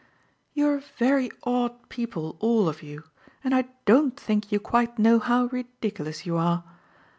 "You're very odd people all of you, and I don't think you quite know how ridiculous you are.